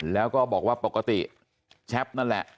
แล้วก็บอกว่าปกติแชปนั่นแหละ